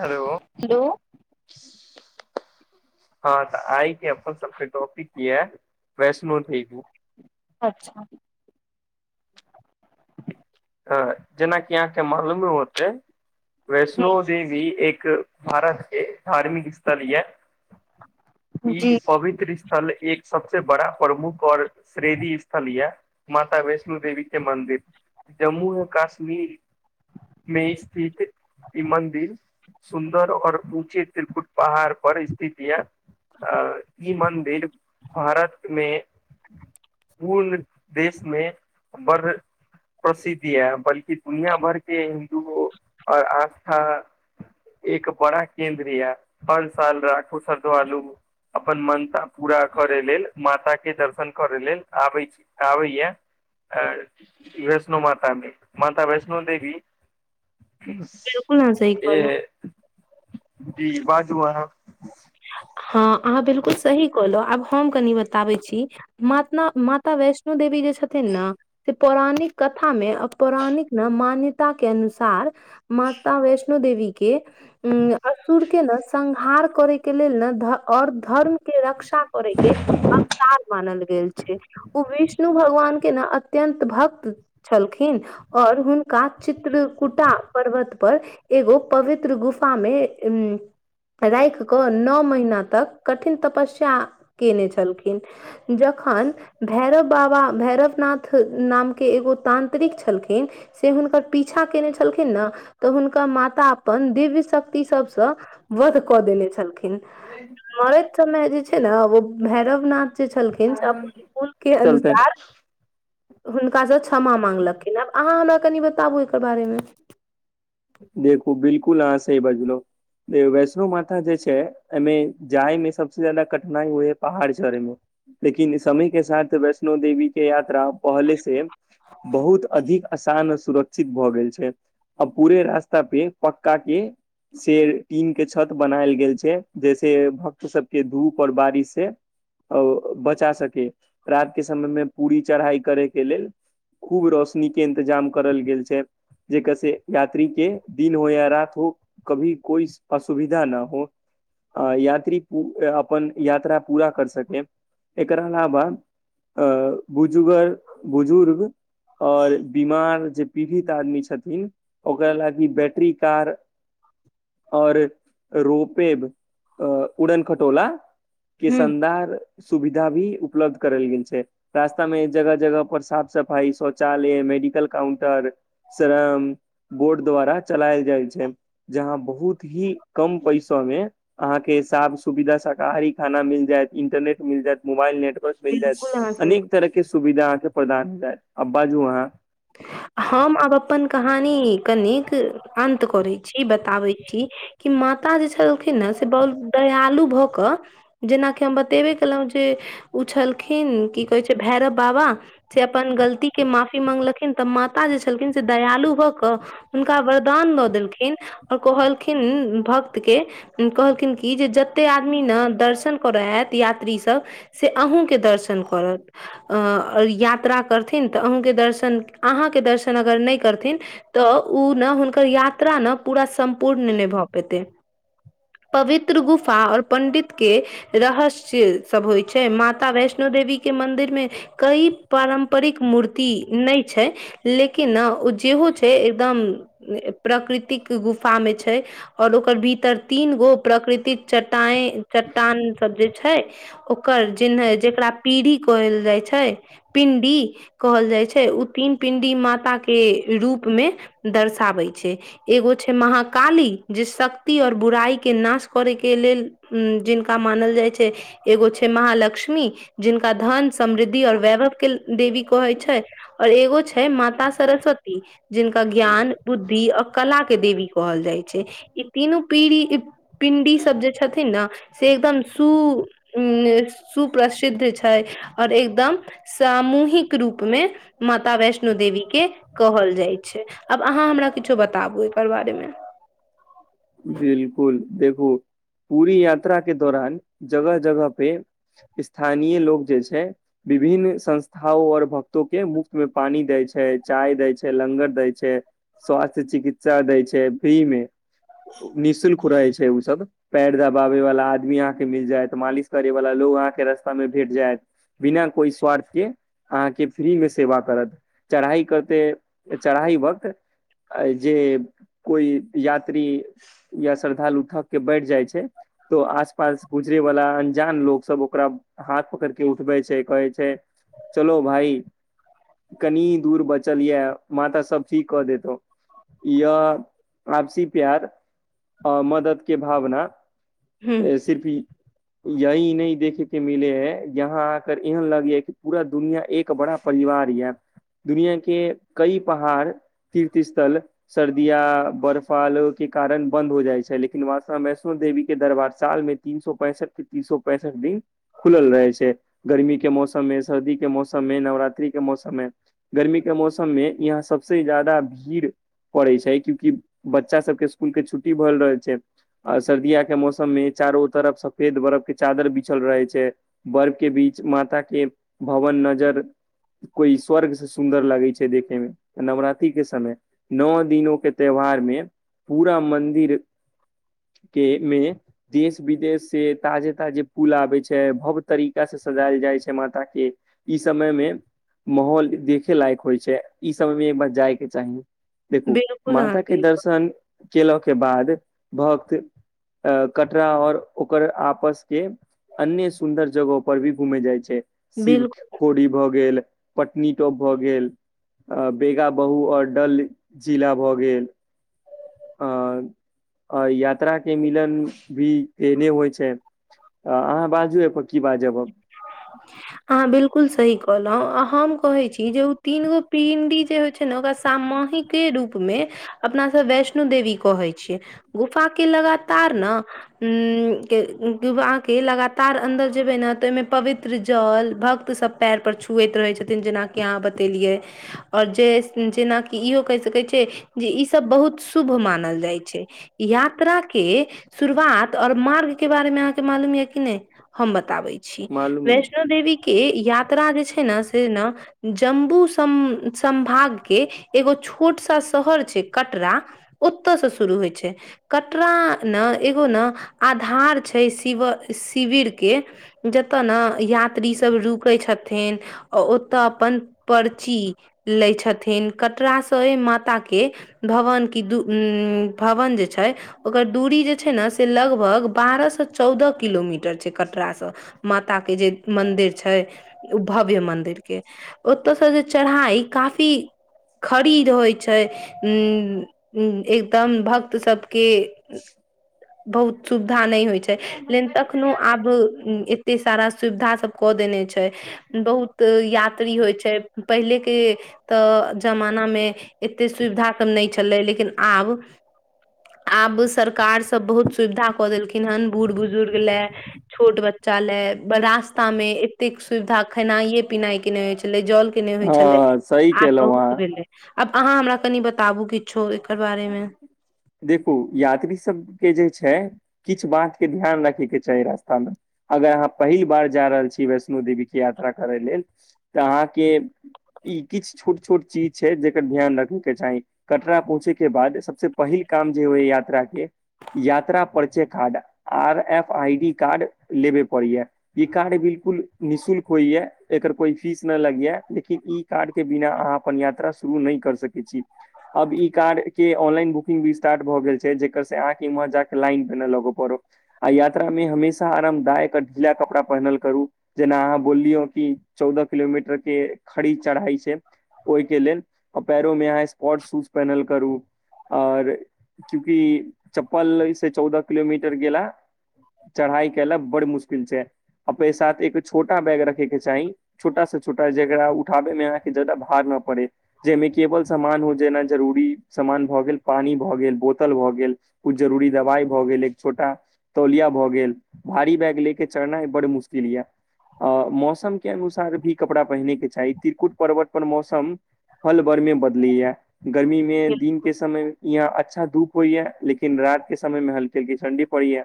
Hello hello ह त आय के अपन सबके टॉपिक या वैष्णो देवी। अच्छा। त जेनाकि अहाँ के मालूमे होतै वैष्णो देवी एक भारतके धार्मिक स्थल ये, हूँ, जी ई पवित्र स्थल एक सबसे बड़ा प्रमुख और श्रेधी स्थल यै मात वैष्णो देवी के मन्दिर जम्मू कश्मीर मे स्थित इ मन्दिर सुन्दर और ऊँचे त्रिकुट पहाड़ पर स्थित यै। आ ई मन्दिर भारत मे पूर्ण देशमे बड़ प्रसिद्ध यै, बल्कि दुनिया भर के हिन्दु आर आस्था एक बड़ा केन्द्र यै, हर साल लाखो श्रद्धालु अपन मंशा पूरा करै लेल माता के दर्शन करै लेल आबै आबैये आर वैष्णो माता मे, माता वैष्णो देवी बिल्कुल अहाँ सही कहलहुँ जी बाजु कहां। हँ अहाँ त बिलकुल सही कहलहुँ, आब हम कनी बताबै छी। मात माता वैष्णो देवी जे छथिन न से पौराणिक कथा मे आ पौराणिक मान्यता के अनुसार माता वैष्णो देवी के असुर के नरसंहार करय के लेल न भ और धर्म के रक्षा करै के अवतार मानल गेल छै ओ विश् विष्णु भगवान के न अत्यन्त भक्त छलखिन और हुनका चित्र कूटा पर्वत पर। एगो पवित्र गुफा में उ राखि। ओ नऽ महीना तक कठिन तपस्या केने छलखिन, जखन। भैरव बाबा, भैरव नाथ नामके एगो तान्त्रिक छलखिन। से हुनकर पीछा केने छलखिन ना तऽ हुनकर माता अपन दिव्य शक्ति सभसँ। वध कऽ देने छलखिन। ओ। मरैत समय जे छै ने ओ भैरवनाथ। से छलखिन अपन कुल के चलते अनुसार। हुनकासँ क्षमा माँगलखिन, आब अहाँ हमरा कनि बताबू एकर बारेमें। देखू बिल्कुल अहाँ सही बजलहुँ। वैष्णो माता जे छै एहिमें जाइ में सबसे जादा कठिनाई होइयै पहाड़ चढ़े में। लेकिन समय के साथ वैष्णो देवी के यात्रा पहले से। बहुत अधिक असान आ सुरक्षित भऽ गेल छै। आ पूरे रास्ता पे पक्का के। शेड, टीन के छत बनाएल गेल छै जैसे भक्त सबकेँ धूप और बारिश से। ओ बचा सके, रात के समय मे पूरी चढ़ाई करैके लेल। खूब रोशनी के इंतजाम करल गेल छै, जेकर से। यात्री के दिन हो या रात हो कभी कोई। असुविधा न हो आ यात्री प। अपन यात्रा पूरा कर सके, एकर अलावा। अ बुजुगर, बुजुर्ग। आओर बीमार जे पीड़ित आदमी छथिन, ओकरा लागी बैटरी कार। और रोपैब, उड़न-खटोला। के हूँ शानदार सुविधा भी उपलब्ध। करल गेल छै, रास्ता में जगह-जगह पर साफ-सफाई, शौचालय, मेडिकल काउंटर। श्रम बोर्ड द्वारा चलायल जाइ छै। जहाँ बहुत ही कम पैसा में। अहाँके साफ, सुविधा, शाकाहारी खाना मिल जाएत, इंटरनेट मिल जाएत, मोबाइल नेटवर्क। मिल जायत, बिल्कुल अहाँ सही अनेक तरह के सुविधा अहाँके प्रदान हो जायत, आब बाजू अहाँ। हम आब अपन कहानी कनिक अन्त करैत छी, बताबैत छी। कि माता जे छलखिन ने से बहुत दयालु भऽ कऽ। जेनाकि हम बतेबे कयलहुँ जे ओ छलखिन, की कहैत छै भैरव बाबा। से अपन गलतीकेँ माफी मांगलखिन तऽ माता जे छलखिन से दयालु भऽ कऽ। हुनका वरदान दऽ देलखिन आओर कहलखिन भक्त के। कहलखिन कि जे जतेक आदमी ने दर्शन करय आयत यात्रीसभ। से अहूँके दर्शन करत अ यात्रा करथिन तऽ अहूँके दर्शन। अहाँके दर्शन अगर नहि करथिन तऽ ओ ने हुनकर यात्रा ने पूरा। सम्पूर्ण नहि भऽ पेते, पवित्र गुफा आऔर पंडित के। रहस्य सब होइ छै, माता वैष्णो देवी के मंन्दिर में। कई पारम्परिक मूर्ति नहि। छै, लेकिन ओ जेहो छै एकदम। प्रकृतिक गुफा में छै। आओर ओकर भीतर तीन गो प्रकृतिक च्टाए, चट्टान सभ जे छै। ओकर जे चिन्ह जेकरा पीढ़ी कहल जाइ छै। पिंडी कहल जाइ छै उत तीन पिंडी माताकेँ रूप में दर्शाबे छै। एगो छै महाकाली जे शक्ति और बुराई के नाश करे के लेल हूं जिनका मानल जाइ छै एगो छै महालक्ष्मी जिनका धन, समृद्धि आओर वैभव केँ देवी कहै छै आओर एगो छै माता सरस्वती जिनका ज्ञान, बुद्धि और कला केँ देवी कहल जाइ छै। ई तीनू पीढ़ी पिंडी सभ जे छथिन ने से एकदम सु सुप्रसिद्ध छै आओर एकदम सामूहिक रूपमे माता वैष्णो देवी के कहल जाइ छै आब अहाँ हमरा किछो बताबु एकर बारे मे। बिलकुल देखु पूरी यात्रा के दौरान जगह जगह पे स्थानीय लोक जे छै विभिन्न संस्थाओं और भक्तो के मुफ्त मे पानी दै छै चाय दै छै लंगर दै छै स्वास्थ्य चिकित्सा दै छै फ्री मे निःशुल्क रहे छै ऊ सब पैर दबाबे वला आदमी अहाँके मिल जायत मालिश करै वाला लोग अहाँके रास्ता मे भेंट जायत बिना कोइ स्वार्थ के अहाँके फ्री मे सेवा करत चढ़ाइ करते चढ़ाइ वक्त जे कोइ यात्री या श्रद्धालु थकके बैठ जाइ छै तअ आसपास सँ गुजरेवाला अंजान लोकसभ ओकरा हाथ पकड़ के उठबै छै कहय छै चलो भाइ कनीयै दूर बचल यऽ माता सभ ठीक कऽ देतहूँ यऽ आपसी प्यार औ मदद केँ भावना हूँ सिर्फ यही नै देखे के मिले हैं, यहाॅं आकर एहन लगय कि पूरा दुनिया एक बड़ा परिवार यै दुनिया के कई पहाड़ तीर्थस्थल सर्दी या बर्फालौकिक कारण बन्द हो जाइ छै लेकिन माता वैष्णो देवी केँ दरबार साल मे तीन सौ पैंसठ केँ तीन सौ पैंसठ दिन खुलल रहे छै गर्मी के मौसम मे सर्दी के मौसम मे नवरात्रि के मौसम मे गर्मी के मौसममे यहाँ सबसे ज्यादा भीड़ पड़ै छै क्योकि बच्चा सभके स्कुल केँ छुट्टी भगेल रहय छै आ सर्दिया के मौसम में चारो तरफ सफेद बरफ के चादर बिछल रहे छै बर्फ के बीच माता के भवन नजर कोइ स्वर्ग से सुन्दर लगै छै देखैमे त नवरात्रिके समय नओ दिनो के त्यौहार मे पूरा मन्दिर के मे देश विदेश से ताजे ताजे पुल आबै छै भव्य तरीका से सजायल जाइ छै माता के ई समय मे माहौल देखे लायक होइ छै ई समयमे एक बार जायके चाही देखू बिल्कुल अहाँ माता के सही कहलौं दर्शन केला के बाद भक्त अ कटरा और ओकर आपस के अन्य सुन्दर जगहो पर भी घुमे जाइ छै शिव बिल्कुल खोरी भऽ गेल पट्नीटॉप भए गेल अ बेगा बहु और डल जिला भऽ गेल। आ अ यात्रा के मिलन भी एहने होय छै। आ अहाँ बाजू ए पर की बाजब अब। अहाँ बिल्कुल सही कहलौ आ हम कहै छी जे उ तीनगो पिंडी जे होय छै नै ओकरा सामाहिक के रूप मे अपना सब वैष्णो देवी कहै छियै गुफा के लगातार ना उम्म के उम्म अहाँ के लगातार अन्दर जेबै नै तऽ ओय मे पवित्र जल भक्त सब पैर पर छुएत रहै छथिन जेनाकि अहाँ बतेलियै। और जे जेनाकि इहो कैह सकै छै जे ई सब बहुत शुभ मानल जाय छै। यात्रा के शुरुआत और मार्ग के बारेमे अहाँके मालूम याए कि नै। हम बताबै छी मालूम वैष्णो देवी के यात्रा जे छै नै से ना जम्बू सम संभाग के एगो छोट स शहर छै कटरा। ओता से शुरू होय छै, कटरा न एगो ना आधार छै शिव शिविर के ज ता नै यात्री सब रुकै छथिन आ ओतऽ अपन पर्ची लै छथिन कटरा स ए माता के भवन की दू उम्म भवन जे छै। ओकर दूरी जे छै नै से लगभग बारअ सँ चौदअ किलोमीटर छै कटरासँ। माता के जे मन्दिर छै। उ भव्य मन्दिर के ओता से जे चढ़ाई काफी खड़ी रहै छै उम्म उम्म एकदम भक्त सबके बहुत सुविधा नै होय छै लेकिन तखनो आब उम्म ए ते सारा सुविधा सब कऽ देने छै। बहुत यात्री होय छै, पहिले के तऽ जमाना मे एते सुविधा सब नै छलै लेकिन आब आब सरकार सब बहुत सुविधा कऽ देलखिन हन बूढ़ बुजुर्ग लै। छोट बच्चा लै, ब रास्ता मे एतेक सुविधा खेनाइये-पिनाइये के नै हय छलै, जल के नै होय छलै हँ सही आब केलहुँ बहुत अहाँ भेलै। आब अहाँ हमरा कनि बताबु किछो एकर बारेमे। देखु यात्री सबके जे छै किछ बातके ध्यान रखै के चाही रास्तामे। अगर अहाँ पहिल बार जा रहल छी वैष्णो देवी के यात्रा करय लेल तऽ अहाँ के ई किछ छोट-छोट चीज छै जेकर ध्यान रखै के चाही कटरा पहुँचे के बाद सबसे पहिल काम जे होय यात्रा के यात्रा परिचय card R F I D card लेबे पड़ी या। ई कार्ड बिलकुल निःशुल्क होयया। एकर कोई फीस ना लगया, लेकिन ई कार्ड के बिना अहाँ अपन यात्रा शुरू नै कर सक ए छी, अब ई कार्ड ऑनलाइन बुकिंग भी स्टार्ट भऽ गेल छै, जेकर से अहाँ के इम्हर जाके लाइन मे ना लागो पड़ो। आ यात्रा में हमेशा आरामदायक आ ढीला कपड़ा पहनल करू। जेना अहाँ बोललियौ कि चौदअ किलोमीटर के खड़ी चढ़ाई छै। ओय के लेल ओ पैरो में अहाँ स्पोर्ट शूज पहनल करू। और क्यूंकि चप्पल लै से चौदअ किलोमीटर गेला चढ़ाई केला बड़ मुशकिल छै, अपने साथ एक छोटा बैग रखैके चाही। छोटा से छोटा जेकरा उठाबे मे अहाँके जादा भार ना पड़े। जे मे केवल समान हो जेना जरूरी समान भऽ गेल पानी भऽ गेल बोतल भऽ गेल कुछ जरूरी दबाइ भऽ गेल एक छोटा तौलिया भऽ गेल भारी बैग ले के चढ़नाइ बड़ मुश्किल ये अ मौसम के अनुसार भी कपड़ा पहिने के चाही त्रिकुट पर्वत पर मौसम पल भर में बदलैयै, गर्मी में दिन के समय यहाँ अच्छा धूप होइयै लेकिन रात के समय में हल्की हल्की ठण्डी पड़ैयै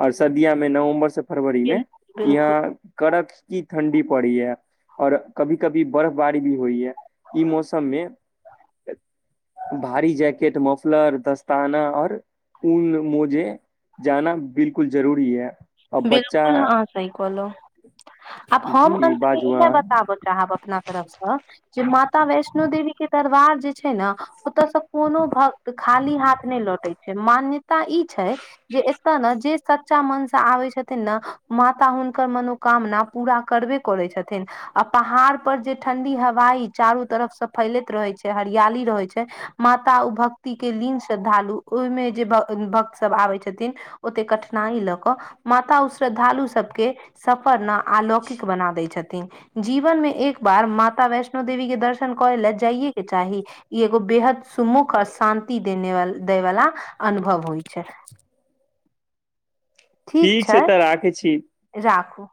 आओर सर्दियां में नवम्बर से फरवरी बिल्कुल मे बिल्कुल यहाँ कडकती ठण्डी पड़ैयै और कभी कभी बर्फबारी भी होइयै ई मौसम मे भारी जैकेट, मफलर, दस्ताना और ऊन मोजे जाना बिलकुल जरूरी यै। आ बच्चा बिलकुल अहाॅं सही कहलौं आब हम जी अन्त मे बाजू इहे अहाँ बताब चाहब अपना तरफसँ जे माता वैष्णो देवी के दरबार जे छै ने ओतयसँ कोनो भक्त त खाली हाथ नहि लौटे छै, मान्यता ई छै जे एतऽ ने जे सच्चा मनस आबइ छै छथिन ने माता हुनकर मनोकामना पूरा करबे करै छथिन आ पहाड़ पर जे ठंडी हवाई चारू तरफ स फैलैत रहे छै हरियाली रहै छै माता ऊ भक्ति के लीन श्रद्धालु ओहिमे जे भ भक्त सब आबै छथिन ओते कठिनाइ लऽक माता ऊ श्रद्धालु सबके सफर ना आलौकिक बना दय छथिन जीवन मे एक बार माता वैष्णो देवी के दर्शन करै लए जाइएके चाही। ई एगो बेहद सुमुख आऔर शान्ति देने व देै वला अनुभव होइ छै। ठीक छै, तऽ राखै छी राखू।